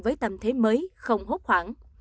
với tâm thế mới không hốt khoảng